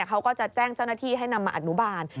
เขาก็จะแจ้งเจ้าหน้าที่ให้นำมาอนุบาล